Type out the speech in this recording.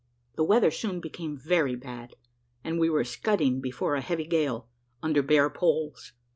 The weather soon became very bad, and we were scudding before a heavy gale, under bare poles.